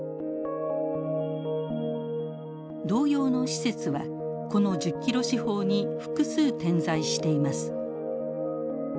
同様の施設はこの１０ｋｍ四方に複数点在しています。